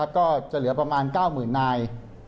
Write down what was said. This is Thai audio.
ก็จะเหลือประมาณ๙หมื่นนาย